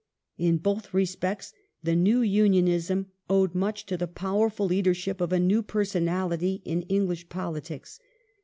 In both respects the " New Unionism " owed much to the powerful leadership of a new personality in English politics.